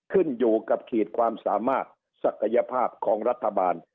ขึ้นอยู่กับขีดความสามารถศักยภาพของรัฐบาล